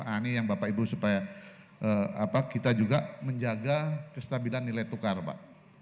ini yang bapak ibu supaya kita juga menjaga kestabilan nilai tukar pak